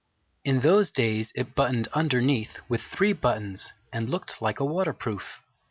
In those days it buttoned underneath with three buttons and looked like a waterproof.